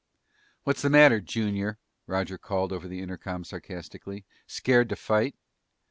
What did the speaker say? "What's the matter, Junior?" Roger called over the intercom sarcastically. "Scared to fight?"